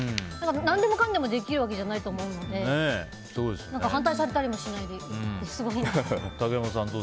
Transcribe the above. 何でもかんでもできるわけじゃないと思うので反対されたりもしないですごいなって。